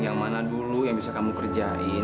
yang mana dulu yang bisa kamu kerjain